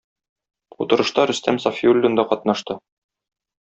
Утырышта Рөстәм Сафиуллин да катнашты.